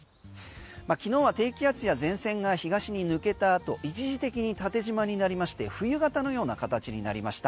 昨日は低気圧や前線が東に抜けたあと一時的に縦じまになりまして冬型のような形になりました。